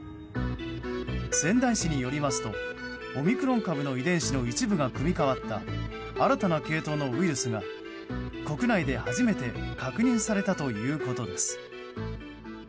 仙台市によりますとオミクロン株の遺伝子の一部が組み変わった新たな系統のウイルスが国内で初めて確認されたということです。